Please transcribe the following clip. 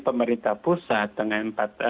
pemerintah pusat dengan